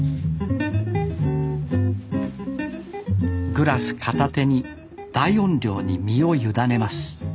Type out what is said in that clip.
グラス片手に大音量に身を委ねます